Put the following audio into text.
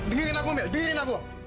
dengarkan aku mel dengarkan aku